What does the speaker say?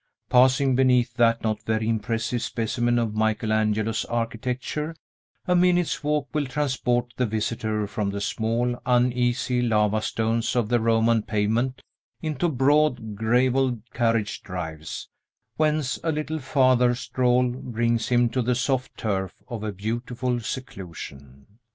Passing beneath that not very impressive specimen of Michael Angelo's architecture, a minute's walk will transport the visitor from the small, uneasy, lava stones of the Roman pavement into broad, gravelled carriage drives, whence a little farther stroll brings him to the soft turf of a beautiful seclusion.